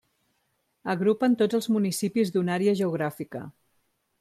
Agrupen tots els municipis d'una àrea geogràfica.